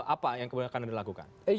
apa yang kemudian akan dilakukan